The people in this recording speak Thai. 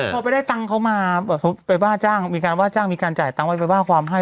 พอไปได้ตังค์เขามาเขาไปว่าจ้างมีการว่าจ้างมีการจ่ายตังค์ไว้ไปว่าความให้